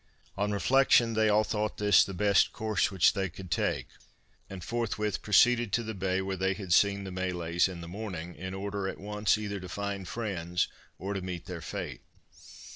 On reflection they all thought this the best course which they could take; and forthwith proceeded to the bay where they had seen the Malays in the morning, in order at once either to find friends or to meet their fate.